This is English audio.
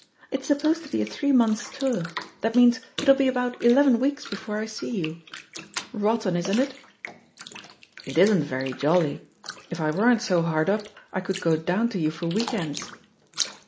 It's supposed to be a three months' tour — ^that means, it'll be about eleven weeks before I see you. Rotten, isn't it?" "It isn't very jolly. If I weren't so hard up I could go down to you for week ends."